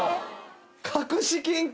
隠し金庫！